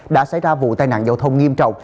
đã xảy ra vụ tai nạn giao thông nghiêm trọng